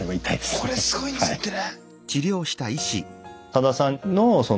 これすごいんですってね。